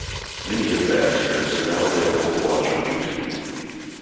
Many of Babbs's trips are now available to watch on YouTube.